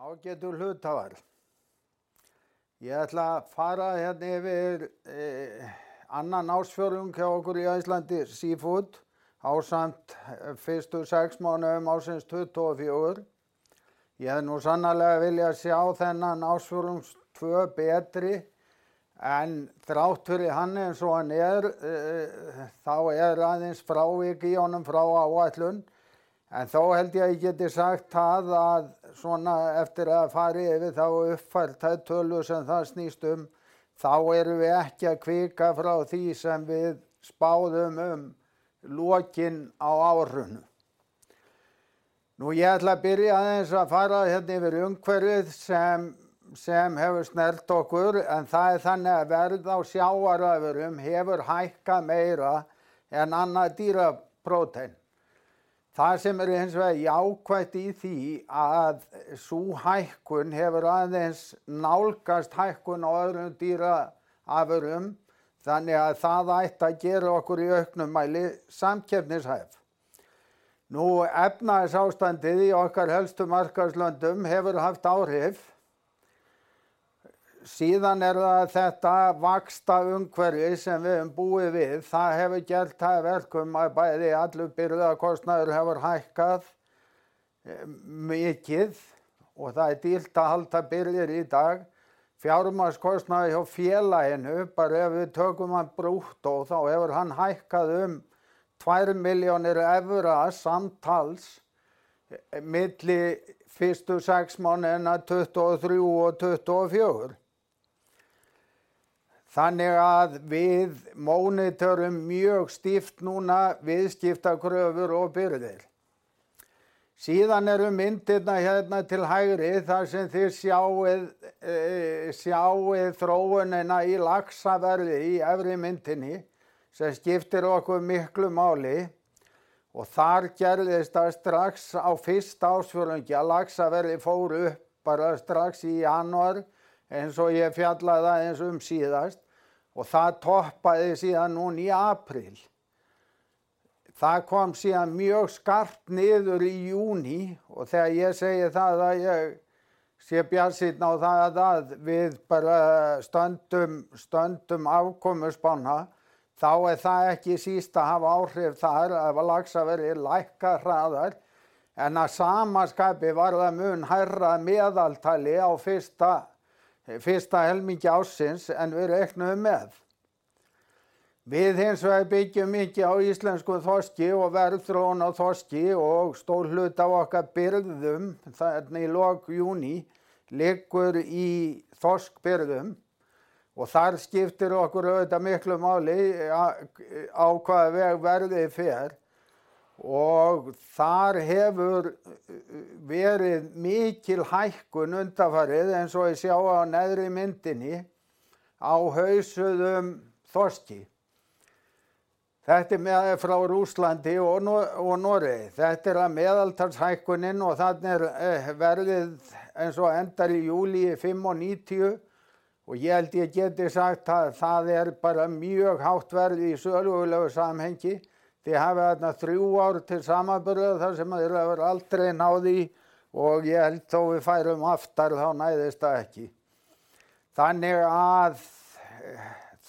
Ágætu hluthafar! Ég ætla að fara hérna yfir annan ársfjórðung hjá okkur í Iceland Seafood, ásamt fyrstu sex mánuðum ársins 2024. Ég hefði nú sannarlega viljað sjá þennan ársfjórðung tvö betri, en þrátt fyrir hann eins og hann er, þá er aðeins frávik í honum frá áætlun. Þó held ég að ég geti sagt það að svona eftir að hafa farið yfir þær og uppfært þær tölur sem það snýst um, þá erum við ekki að hvika frá því sem við spáðum um lok ársins. Nú, ég ætla að byrja aðeins að fara hérna yfir umhverfið sem hefur snert okkur, en það er þannig að verð á sjávarafurðum hefur hækkað meira en annað dýra prótein. Það sem er hins vegar jákvætt í því að sú hækkun hefur aðeins nálgast hækkun á öðrum dýraafurðum, þannig að það ætti að gera okkur í auknum mæli samkeppnishæf. Nú, efnahagsástandið í okkar helstu markaðslöndum hefur haft áhrif. Síðan er það þetta vaxtaumhverfi sem við höfum búið við. Það hefur gert það að verkum að bæði allur birgðakostnaður hefur hækkað mikið og það er dýrt að halda birgðir í dag. Fjármagnskostnaður hjá félaginu, bara ef við tökum hann brúttó, þá hefur hann hækkað um tvær milljónir evra samtals milli fyrstu sex mánuðina 2023 og 2024. Þannig að við mónitorum mjög stíft núna viðskiptakröfur og birgðir. Síðan eru myndirnar hérna til hægri, þar sem þið sjáið þróunina í laxaverði í efri myndinni, sem skiptir okkur miklu máli. Og þar gerðist það strax á fyrsta ársfjórðungi að laxaverðið fór upp bara strax í janúar, eins og ég fjallaði aðeins um síðast, og það toppaði síðan núna í apríl. Það kom síðan mjög skarpt niður í júní. Þegar ég segi það að ég sé bjartsýnn á það að við bara stöndum afkomuspána, þá er það ekki síst að hafa áhrif þar ef laxaverðið lækkar hraðar. En að sama skapi var það mun hærra meðaltali á fyrsta helmingi ársins en við reiknuðum með. Við byggjum hins vegar mikið á íslenskum þorski og verðþróun á þorski, og stór hluti af okkar birgðum þarna í lok júní liggur í þorskbirgðum. Þar skiptir okkur auðvitað miklu máli á hvaða veg verðið fer. Þar hefur verið mikil hækkun undanfarið, eins og þið sjáið á neðri myndinni á hausuðum þorski. Þetta er með frá Rússlandi og Noregi. Þetta er að meðaltalshækkunin og þarna er verðið eins og endar í júlí, 590. Ég held ég geti sagt það, það er bara mjög hátt verð í sögulegu samhengi. Þið hafið þarna þrjú ár til samanburðar þar sem aldrei er náð því, og ég held þó við færum aftar þá næðist það ekki. Þannig að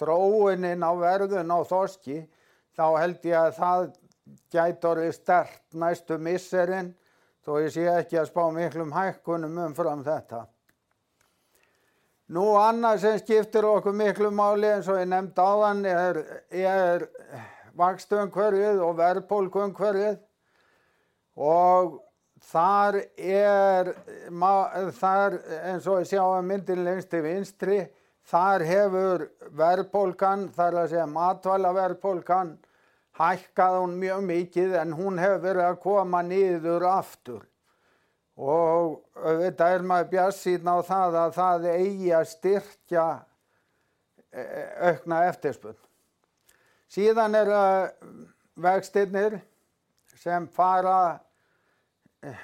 þróunin á verðinu á þorski, þá held ég að það gæti orðið sterkt næstu misserin, þó ég sé ekki að spá miklum hækkunum umfram þetta. Nú, annað sem skiptir okkur miklu máli, eins og ég nefndi áðan, er vaxtaumhverfið og verðbólguumhverfið. Þar, eins og þið sjáið á myndinni lengst til vinstri, þar hefur verðbólgan, þar að segja matvælaverðbólgan, hækkað mjög mikið, en hún hefur verið að koma niður aftur. Og auðvitað er maður bjartsýnn á það að það eigi að styrkja aukna eftirspurn. Síðan eru það vextirnir sem fara að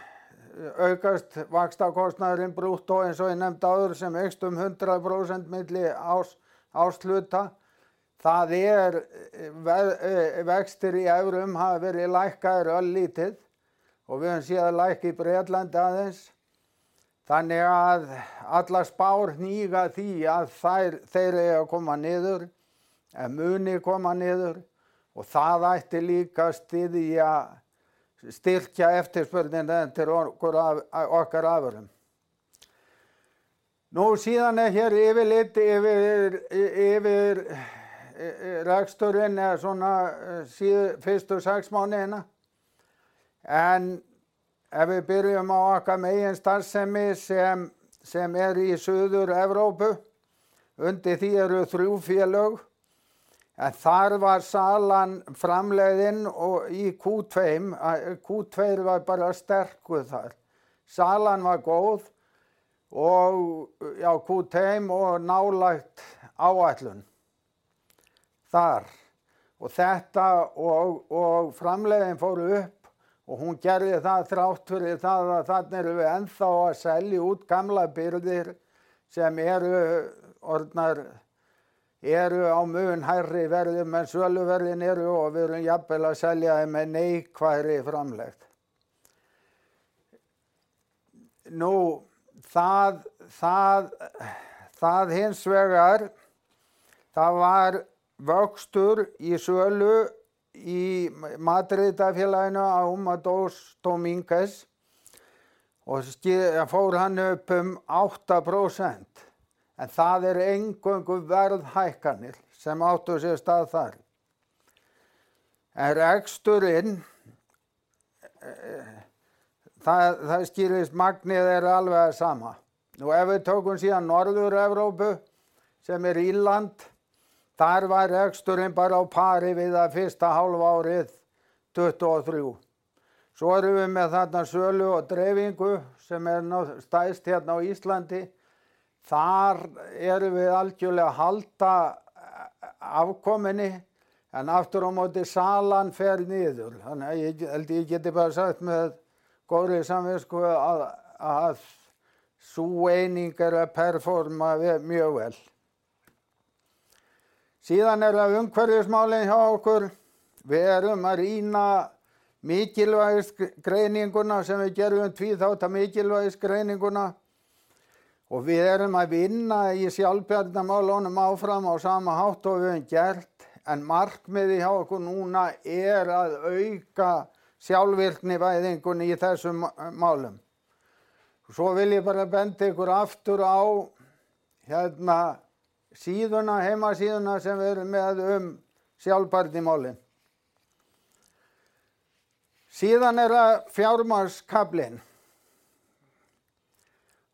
aukast. Vaxtakostnaðurinn brúttó, eins og ég nefndi áður, sem eykst um 100% milli árs, árshluta. Það er verð, vextir í evrum hafa verið lækkaðir örlítið, og við höfum séð lækkun í Bretlandi aðeins. Þannig að allar spár hníga að því að þeir eiga að koma niður en muni koma niður, og það ætti líka að styðja, styrkja eftirspurnina eftir okkar afurðum. Nú síðan er hér yfirlit yfir reksturinn eða svona síðu fyrstu sex mánuðina. En ef við byrjum á okkar meginstarfsemi, sem er í Suður-Evrópu. Undir því eru þrjú félög, en þar var salan framleiðin og í Q2 var bara sterku þar. Salan var góð og já, Q2 og nálægt áætlun þar. Og þetta og framleiðslan fór upp og hún gerði það þrátt fyrir það að þarna erum við ennþá að selja út gamlar birgðir sem eru orðnar á mun hærri verði en söluverðin eru og við erum jafnvel að selja þær með neikvæðri framlegð. Það var vöxtur í sölu í matreiðslufélaginu á Humados Dominguez og fór hann upp um 8%. En það eru eingöngu verðhækkanir sem áttu sér stað þar. En reksturinn, magnið er alveg það sama. Og ef við tökum síðan Norður-Evrópu, sem er Írland, þar var reksturinn bara á pari við það fyrsta hálfárið 2023. Svo erum við með þarna sölu og dreifingu sem er nú stærst hérna á Íslandi. Þar erum við algjörlega að halda afkomunni, en aftur á móti salan fer niður. Þannig að ég held ég geti bara sagt með góðri samvisku að sú eining er að performa vel, mjög vel. Síðan er það umhverfismálin hjá okkur. Við erum að rýna mikilvægisgreininguna sem við gerðum, tvíþætta mikilvægisgreininguna, og við erum að vinna í sjálfbærnimálunum áfram á sama hátt og við höfum gert. En markmiðið hjá okkur núna er að auka sjálfvirknivæðinguna í þessum málum. Vil ég bara benda ykkur aftur á hérna síðuna, heimasíðuna sem við erum með um sjálfbærnimálin. Síðan er það fjármagnskaflinn.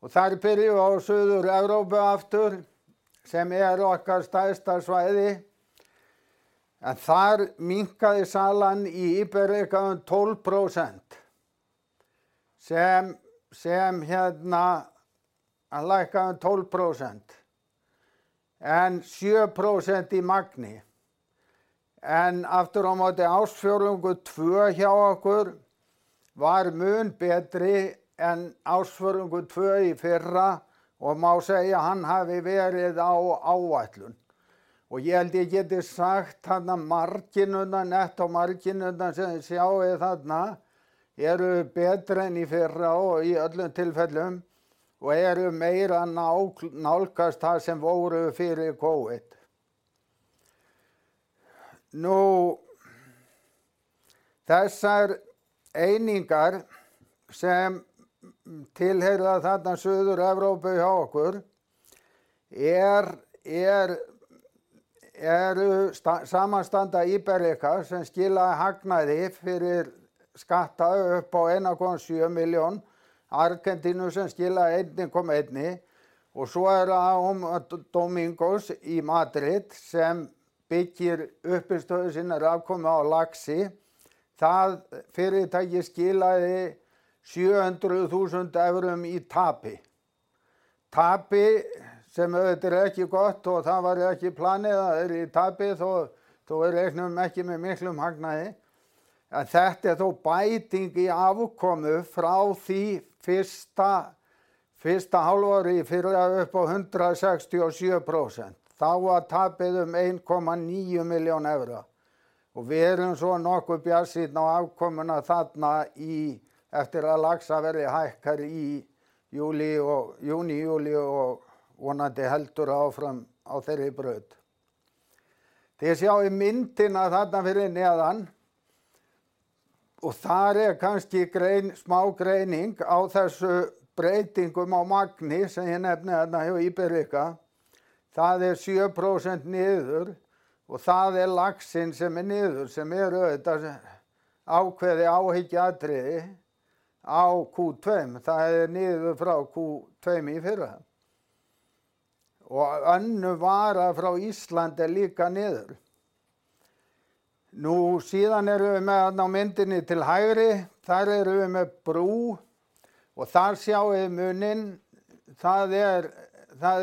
Þar byrjum við á Suður-Evrópu aftur, sem er okkar stærsta svæði, en þar minnkaði salan í Íberíka um 12% sem lækkaði um 12% en 7% í magni. En aftur á móti ársfjórðungur tvö hjá okkur var mun betri en ársfjórðungur tvö í fyrra og má segja að hann hafi verið á áætlun. Og ég held ég geti sagt þarna marginnunar, nett og marginnunar sem þið sjáið þarna, eru betri en í fyrra og í öllum tilfellum og eru meira nálgast það sem voru fyrir Covid. Nú, þessar einingar sem tilheyra þarna Suður-Evrópu hjá okkur eru samanstanda Íberíska sem skilaði hagnaði fyrir skatta upp á 1,7 milljón. Argentínu sem skilaði 1,1 og svo er það Om Domingo's í Madrid, sem byggir uppistöðu sína af afkomu á laxi. Það fyrirtæki skilaði 700 þúsund evrum í tapi. Tapi sem auðvitað er ekki gott og það var ekki planið að vera í tapi, þó við reiknuðum ekki með miklum hagnaði. En þetta er þó bæting í afkomu frá því fyrsta hálfári í fyrra, upp á 167%. Þá var tapið um 1,9 milljón evra. Og við erum svo nokkuð bjartsýn á afkomuna þarna í, eftir að laxaverðið hækkar í júní og júlí og vonandi heldur áfram á þeirri braut. Þið sjáið myndina þarna fyrir neðan og þar er kannski grein, smá greining á þessum breytingum á magni sem ég nefni þarna hjá Íberíska. Það er 7% niður og það er laxinn sem er niður, sem er auðvitað ákveðið áhyggjuefni á Q2. Það er niður frá Q2 í fyrra. Og önnur vara frá Íslandi er líka niður. Nú, síðan erum við með þarna á myndinni til hægri. Þar erum við með brú og þar sjáið þið muninn. Það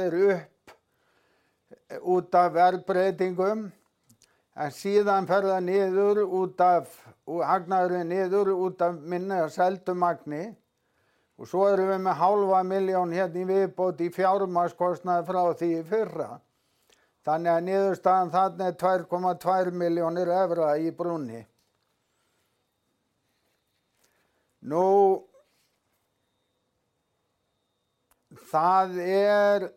er upp út af verðbreytingum, en síðan fer það niður út af og hagnaðurinn niður út af minna seldu magni. Og svo erum við með hálfa milljón hérna í viðbót í fjármagnskostnað frá því í fyrra. Þannig að niðurstaðan þarna er 2,2 milljónir evra í brúnni. Nú, það er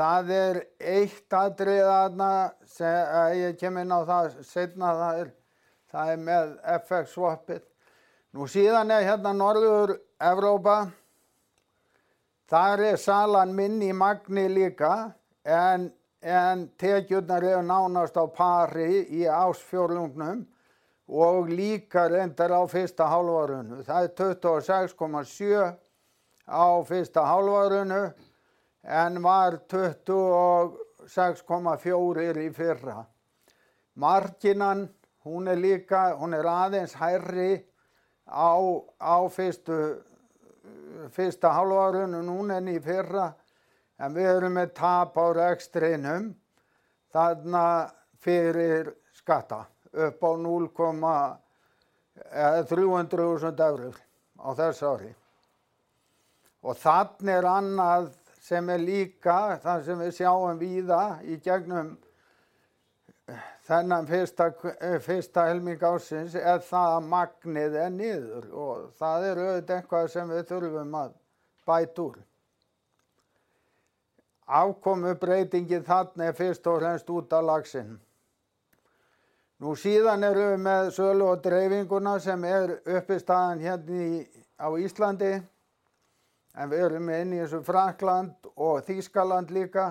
eitt atriði þarna sem ég kem inn á það seinna. Það er með FX swappið. Nú síðan er hérna Norður-Evrópa. Þar er salan minni í magni líka, en tekjurnar eru nánast á pari í ársfjórðungnum og líka reyndar á fyrsta hálfárinu. Það er 26,7 á fyrsta hálfárinu, en var 26,4 í fyrra. Margínan, hún er líka aðeins hærri á fyrsta hálfárinu núna en í fyrra. En við erum með tap á rekstrinum þarna fyrir skatta, upp á 0,3 þúsund evrur á þessu ári. Og þarna er annað sem er líka það sem við sjáum víða í gegnum þennan fyrsta helming ársins er það að magnið er niður og það er auðvitað eitthvað sem við þurfum að bæta úr. Afkomubreytingin þarna er fyrst og fremst út af laxinn. Nú síðan erum við með sölu og dreifinguna sem er uppistaðan hérna á Íslandi, en við erum með inni í þessu Frakkland og Þýskaland líka.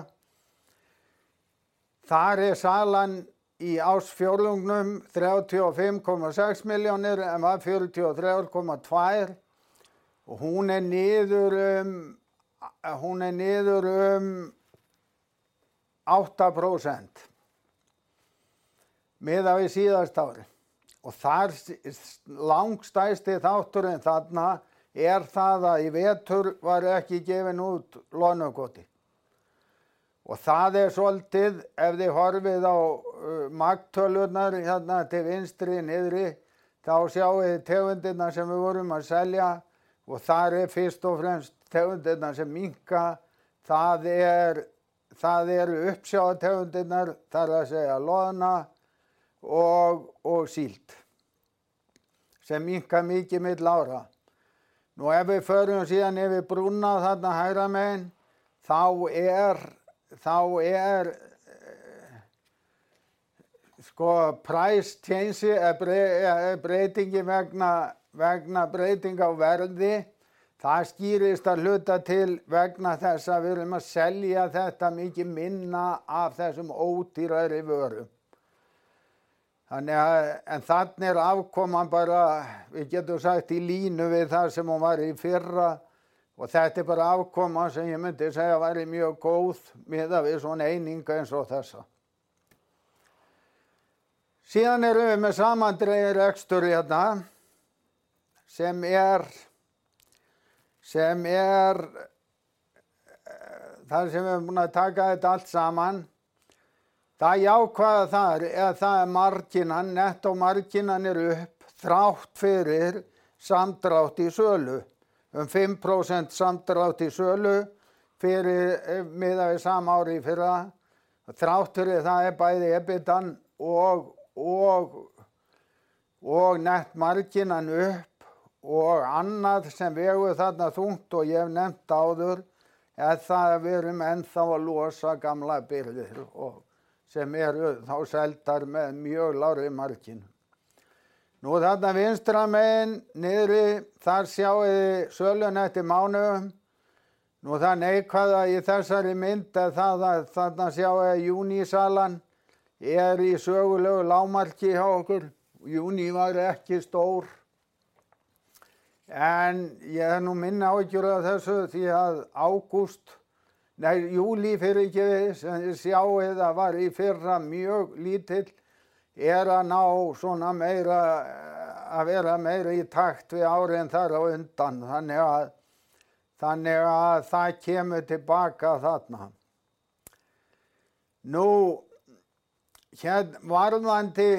Þar er salan í ársfjórðungnum 35.6 milljónir en var 43.2 og hún er niður um 8% miðað við síðasta ári. Þar er langstærsti þátturinn þarna það að í vetur var ekki gefin út loðnukoti. Og það er svolítið ef þið horfið á magntölurnar hérna til vinstri niðri, þá sjáið þið tegundirnar sem við vorum að selja og þar er fyrst og fremst tegundirnar sem minnka. Það eru uppsjávartegundirnar, þar að segja loðna og síld, sem minnka mikið milli ára. Ef við förum síðan yfir brúna þarna hægra megin, þá er price change-ið eða breytingin vegna breytinga á verði. Það skýrist að hluta til vegna þess að við erum að selja þetta mikið minna af þessum ódýrari vöru. En þarna er afkoman bara, við getum sagt í línu við það sem hún var í fyrra. Og þetta er bara afkoma sem ég myndi segja væri mjög góð miðað við svona einingu eins og þessa. Síðan erum við með samandreginn rekstur hérna, sem er þar sem við erum búin að taka þetta allt saman. Það jákvæða þar er að marginan, nettó marginan er upp þrátt fyrir samdrátt í sölu. Um 5% samdrátt í sölu fyrir, miðað við sama ár í fyrra. Þrátt fyrir það er bæði EBITDA og nett marginan upp og annað sem vegur þarna þungt. Ég hef nefnt það áður, er það að við erum ennþá að losa gamlar birgðir og sem eru þá seldar með mjög lágri marginu. Þarna vinstra megin niðri, þar sjáið þið söluna eftir mánuðum. Það neikvæða í þessari mynd er það að þarna sjáið þið júní salan er í sögulegu lágmarki hjá okkur. Júní var ekki stór, en ég hef nú minni áhyggjur af þessu því að ágúst, nei júlí, fyrirgefið, sem þið sjáið að var í fyrra mjög lítill, er að ná svona meira, að vera meira í takt við árin þar á undan. Þannig að það kemur til baka þarna. Nú, hér varðandi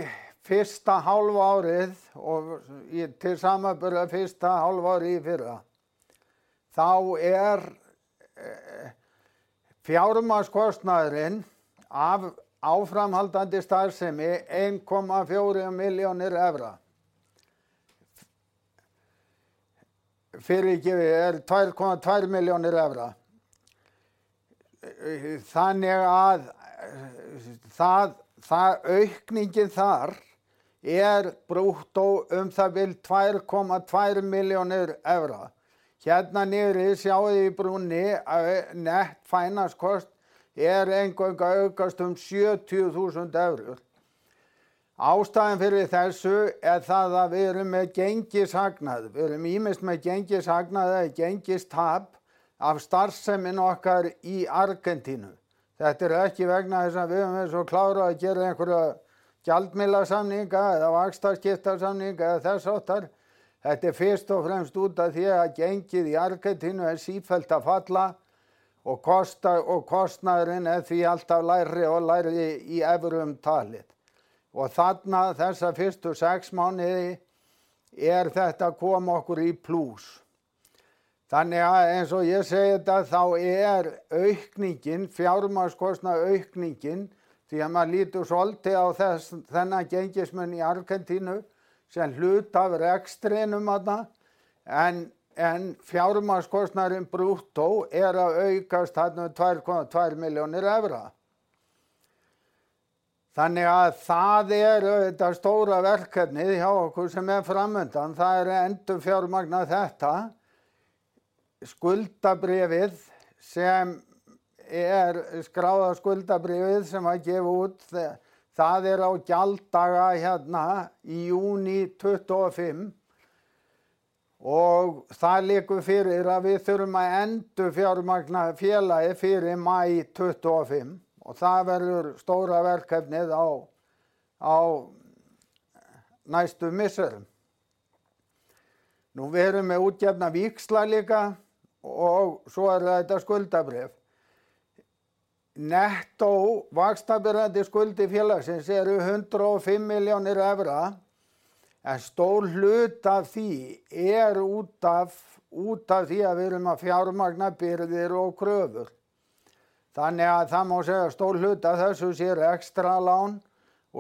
fyrsta hálfárið og í til samanburðar fyrsta hálfárið í fyrra, þá er fjármagnskostnaðurinn af áframhaldandi starfsemi tvær komma tvær milljónir evra. Þannig að aukningin þar er brúttó um það bil 2,2 milljónir evra. Hérna niðri sjáið þið í brúnni að nett finance cost er eingöngu að aukast um 70 þúsund evrur. Ástæðan fyrir þessu er það að við erum með gengishagnað. Við erum ýmist með gengishagnað eða gengistap af starfseminni okkar í Argentínu. Þetta er ekki vegna þess að við höfum einhvern veginn klárað að gera einhverja gjaldmiðlasamninga eða vaxtaskiptasamninga eða þess háttar. Þetta er fyrst og fremst út af því að gengið í Argentínu er sífellt að falla og kosta, og kostnaðurinn er því alltaf lægri og lægri í evrum talið. Þarna, þessa fyrstu sex mánuði er þetta að koma okkur í plús. Þannig að eins og ég segi þetta, þá er aukningin, fjármagnskostnaðar aukningin, því að maður lítur svolítið á þennan gengismun í Argentínu sem hluta af rekstrinum þarna. En fjármagnskostnaðurinn brúttó er að aukast þarna um 2,2 milljónir evra. Þannig að það er auðvitað stóra verkefnið hjá okkur sem er framundan. Það er að endurfjármagna þetta skuldabréfið, sem er skráða skuldabréfið sem var gefið út. Það er á gjalddaga hérna í júní 2025, og það liggur fyrir að við þurfum að endurfjármagna félagið fyrir maí 2025. Það verður stóra verkefnið á næstu misserum. Nú við erum með útgefna víxla líka og svo er það auðvitað skuldabréf. Nettó vaxtaberandi skuldir félagsins eru €105 milljónir, en stór hluti af því er út af því að við erum að fjármagna birgðir og kröfur. Þannig að það má segja að stór hluti af þessu séu rekstrarlán.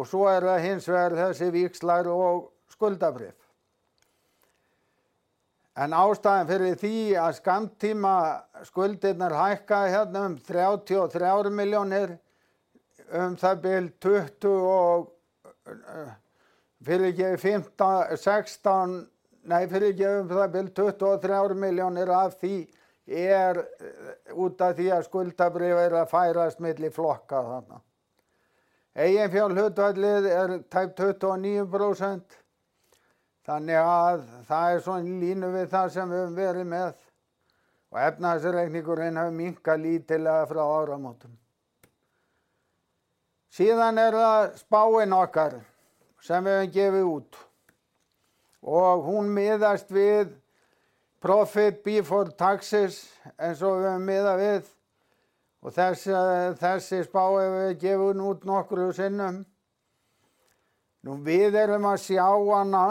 Svo eru það hins vegar þessir víxlar og skuldabréf. En ástæðan fyrir því að skammtíma skuldirnar hækka hérna um €33 milljónir, um það bil €23 milljónir af því er út af því að skuldabréf eru að færast milli flokka þarna. Eiginfjárhlutfallið er tæp 29%, þannig að það er svona í línu við það sem við höfum verið með, og efnahagsreikningurinn hefur minnkað lítillega frá áramótum. Síðan er það spáin okkar sem við höfum gefið út og hún miðast við profit before taxes, eins og við höfum miðað við. Þessi spá hefur verið gefin út nokkrum sinnum. Nú við erum að sjá hana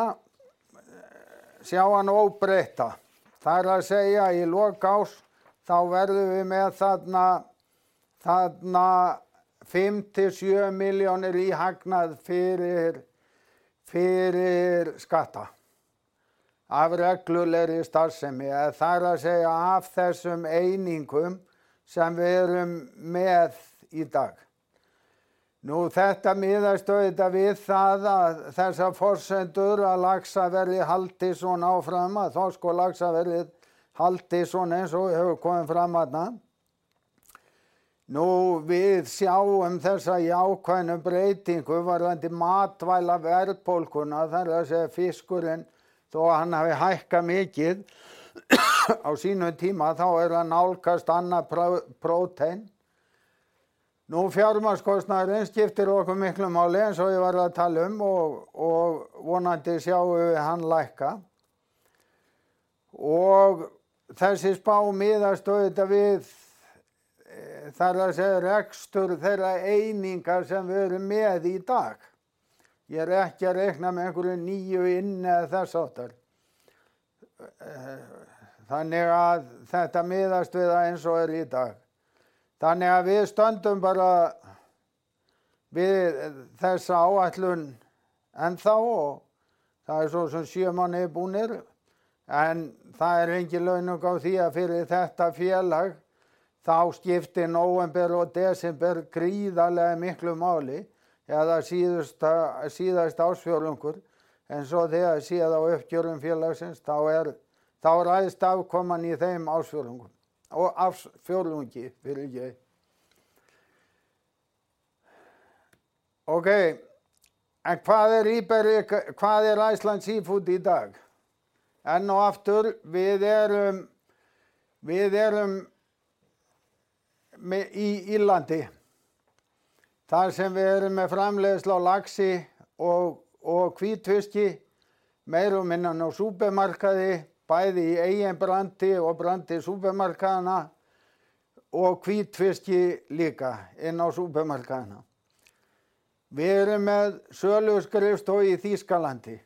óbreytta. Það er að segja, í lok árs þá verðum við með þarna 5 til 7 milljónir í hagnað fyrir skatta af reglulegri starfsemi, eða það er að segja af þessum einingum sem við erum með í dag. Nú þetta miðast auðvitað við það að þessar forsendur, að laxaverðið haldi svona áfram, að þorsk og laxaverðið haldi svona eins og hefur komið fram þarna. Nú, við sjáum þessa jákvæðu breytingu varðandi matvælaverðbólkuna, það er að segja fiskurinn, þó að hann hafi hækkað mikið á sínum tíma þá er það að nálgast annað prótein. Nú, fjármagnskostnaðurinn skiptir okkur miklu máli, eins og ég var að tala um og vonandi sjáum við hann lækka. Þessi spá miðast auðvitað við rekstur þeirra eininga sem við erum með í dag. Ég er ekki að reikna með einhverju nýju inni eða þess háttar. Þannig að þetta miðast við það eins og er í dag. Þannig að við stöndum bara við þessa áætlun ennþá og það eru svo sem sjö mánuðir búnir. En það er engin launung á því að fyrir þetta félag þá skipti nóvember og desember gríðarlega miklu máli eða síðasti ársfjórðungur. Eins og þið hafið séð á uppgjörum félagsins þá er, þá ræðst afkoman í þeim ársfjórðung og ársfjórðungi. En hvað er Iberica? Hvað er Iceland Seafood í dag? Enn og aftur, við erum með í Írlandi, þar sem við erum með framleiðslu á laxi og hvítfiski, meira og minna inn á súpermarkaði, bæði í eigin brandi og brandi súpermarkaðanna og hvítfiski líka inn á súpermarkaðina. Við erum með söluskrifstofu í Þýskalandi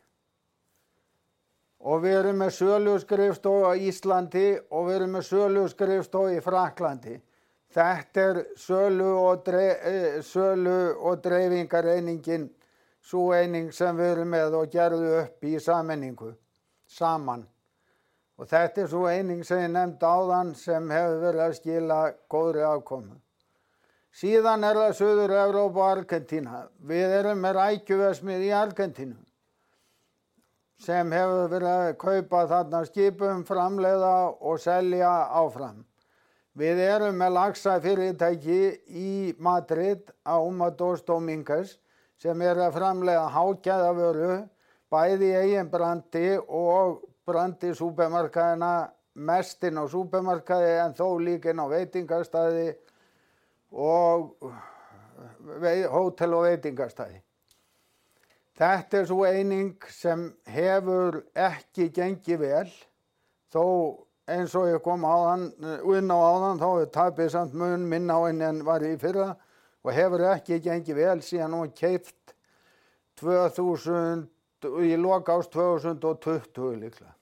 og við erum með söluskrifstofu á Íslandi og við erum með söluskrifstofu í Frakklandi. Þetta er sölu og dreifingareiningin, sú eining sem við erum með og gerðu upp í sameiningu saman. Og þetta er sú eining sem ég nefndi áðan, sem hefur verið að skila góðri afkomu. Síðan er það Suður-Evrópu og Argentína. Við erum með rækjuverksmiðju í Argentínu, sem hefur verið að kaupa þarna skipum, framleiða og selja áfram. Við erum með laxafyrirtæki í Madrid, Aumados Dominguez, sem er að framleiða hágæðavöru bæði í eigin brandi og brandi súpermarkaðanna. Mest inn á súpermarkaði en þó líka inn á veitingastaði og hótel og veitingastaði. Þetta er sú eining sem hefur ekki gengið vel, þó eins og ég kom inn á áðan þá er tapið samt mun minna en var í fyrra og hefur ekki gengið vel síðan hún var keypt í lok árs 2020 líklega.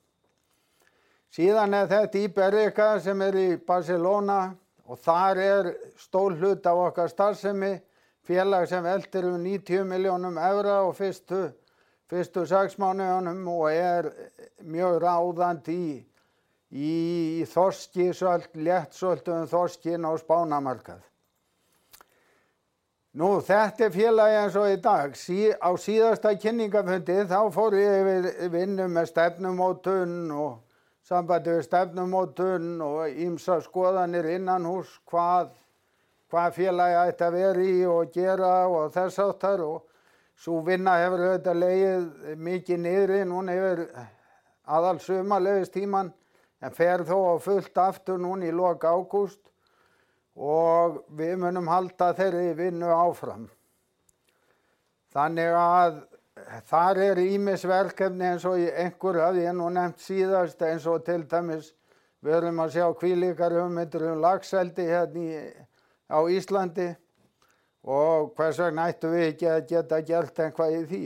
Síðan er þetta Iberica sem er í Barcelona og þar er stór hluti af okkar starfsemi. Félag sem veltir um 90 milljónum evra á fyrstu sex mánuðunum og er mjög ráðandi í þorskisölt, létt söltuðum þorski inn á spænska markaðinn. Nú, þetta er félagið eins og í dag. Á síðasta kynningarfundi þá fór ég yfir vinnu með stefnumótun og sambandi við stefnumótun og ýmsar skoðanir innanhúss, hvað félagið ætti að vera í og gera og þess háttar. Sú vinna hefur auðvitað legið mikið niðri núna yfir aðal sumarleyistímann, en fer þó á fullt aftur núna í lok ágúst og við munum halda þeirri vinnu áfram. Þannig að þar eru ýmis verkefni, eins og ég hafði nefnt síðast, eins og til dæmis við erum að sjá hvílíkar hugmyndir um laxeldi hérna á Íslandi. Hvers vegna ættum við ekki að geta gert eitthvað í því?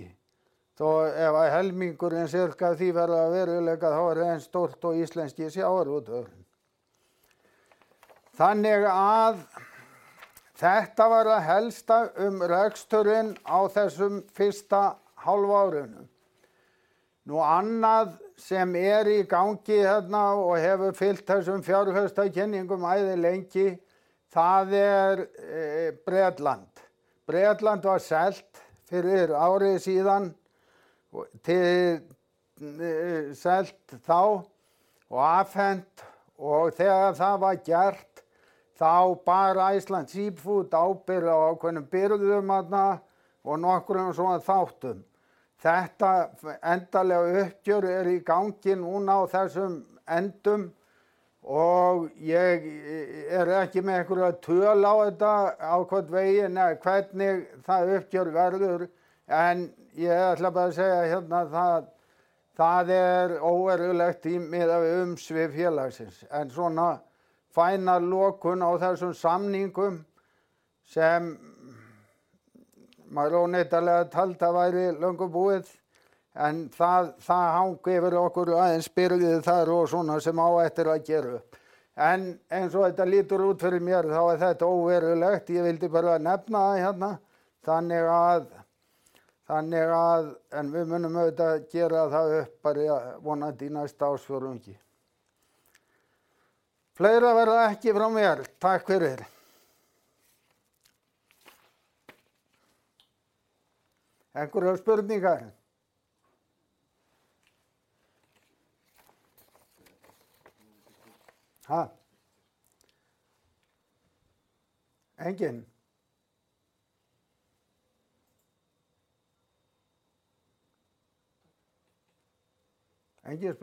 Þó ef að helmingurinn sirka af því verður að veruleika, þá er það eins stórt og íslenski sjávarútvegurinn. Þannig að þetta var það helsta um reksturinn á þessum fyrsta hálfárinu. Nú annað sem er í gangi þarna og hefur fylgt þessum fjárhagsreikningum æði lengi. Það er Bretland. Bretland var selt fyrir ári síðan og til, selt þá og afhent. Og þegar það var gert þá bar Iceland Seafood ábyrgð á ákveðnum birgðum þarna og nokkrum svona þáttum. Þetta endanlega uppgjör er í gangi núna á þessum endum og ég er ekki með einhverja tölu á þetta, á hvorn veginn eða hvernig það uppgjör verður. En ég ætla bara að segja hérna það, það er óverulegt í miðað við umsvif félagsins. En svona fínar lokun á þessum samningum, sem maður óneitanlega taldi að væri löngu búið. En það, það hangir yfir okkur aðeins birgði þar og svona sem á eftir að gera upp. En eins og þetta lítur út fyrir mér þá er þetta óverulegt. Ég vildi bara nefna það hérna, þannig að, þannig að. En við munum auðvitað gera það upp, bara vonandi í næsta ársfjórðungi. Fleira verður ekki frá mér. Takk fyrir! Einhverjar spurningar? Enginn? Engar sp...